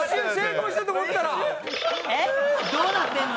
どうなってんの？